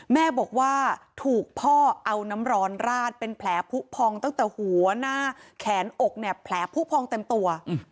แม่บอกว่าถูกพ่อเอาน้ำร้อนราดเป็นแผลผู้พองตั้งแต่หัวหน้าแขนอกเนี่ยแผลผู้พองเต็มตัว